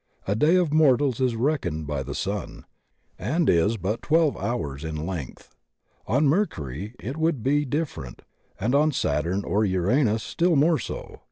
A day of mortals is reckoned by the sun, and is but twelve hours in length. On Mercury it would be differ ent, and on Saturn or Uranus still more so.